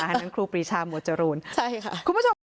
อันนั้นครูปริชามัวจรูน